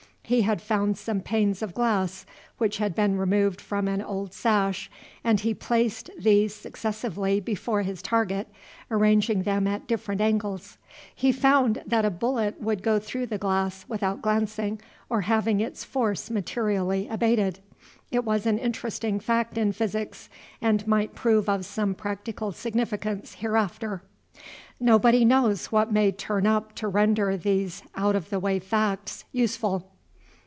He had found some panes of glass which had been removed from an old sash, and he placed these successively before his target, arranging them at different angles. He found that a bullet would go through the glass without glancing or having its force materially abated. It was an interesting fact in physics, and might prove of some practical significance hereafter. Nobody knows what may turn up to render these out of the way facts useful.